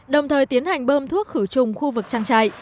đồng thời tiến hành bơm thuốc khử trùng khu vực trang trại